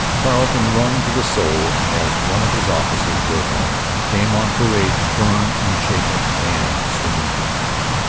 Carleton, 'wrung to the soul,' as one of his officers wrote home, came on parade 'firm, unshaken, and serene.'